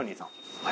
はい。